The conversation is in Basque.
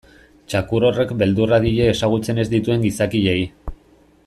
Txakur horrek beldurra die ezagutzen ez dituen gizakiei.